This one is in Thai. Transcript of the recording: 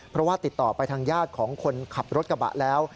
เพราะว่าติดต่อไปทางญาติของคนขับรถกระบะแล้ว